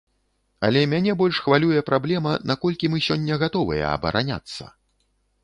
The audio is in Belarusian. Але мяне больш хвалюе праблема, наколькі мы сёння гатовыя абараняцца?